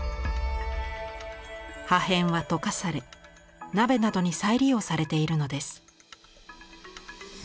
破片は溶かされ鍋などに再利用されているのです。